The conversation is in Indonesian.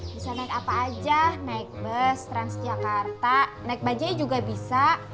bisa naik apa aja naik bus transjakarta naik bajai juga bisa